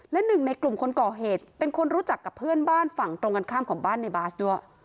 และหนึ่งในกลุ่มคนก่อเหตุเป็นคนรู้จักกับเพื่อนบ้านฝั่งตรงกันข้ามของบ้านในบาสด้วย